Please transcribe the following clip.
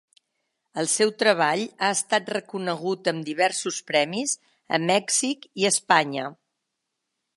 El seu treball ha estat reconegut amb diversos premis a Mèxic i Espanya.